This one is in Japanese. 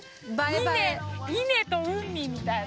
稲と海みたいな。